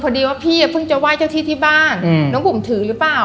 พอดีว่าพี่เพิ่งจะไหว้เจ้าที่ที่บ้านน้องบุ๋มถือหรือเปล่า